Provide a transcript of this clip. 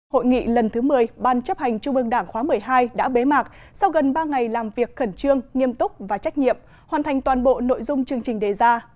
hội nghị lần thứ một mươi ban chấp hành trung ương đảng khóa một mươi hai đã bế mạc sau gần ba ngày làm việc khẩn trương nghiêm túc và trách nhiệm hoàn thành toàn bộ nội dung chương trình đề ra